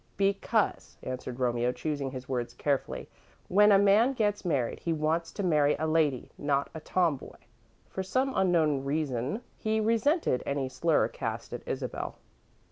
"Because," answered Romeo, choosing his words carefully, "when a man gets married, he wants to marry a lady, not a tomboy." For some unknown reason, he resented any slur cast at Isabel.